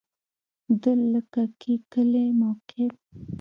د لکه کی کلی موقعیت